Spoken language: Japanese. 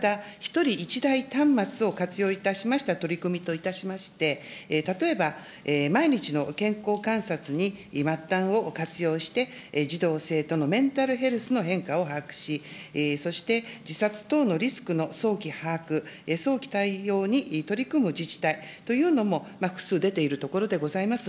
また、１人１台端末を活用いたしました取り組みといたしまして、例えば毎日の健康観察にまったんを活用して、児童・生徒のメンタルヘルスの変化を把握し、そして、自殺等のリスクの早期把握、早期対応に取り組む自治体というのも、複数出ているところでございます。